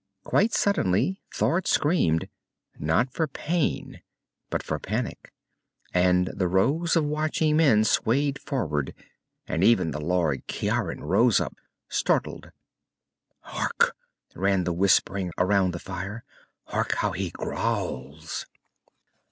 Quite suddenly, Thord screamed. Not for pain, but for panic. And the rows of watching men swayed forward, and even the Lord Ciaran rose up, startled. "Hark!" ran the whispering around the fire. "Hark how he growls!"